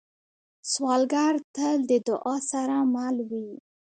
سوالګر تل د دعا سره مل وي